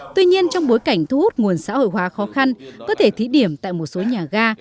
tuy nhiên trong bối cảnh thu hút nguồn xã hội hóa khó khăn có thể thí điểm tại một số nhà ga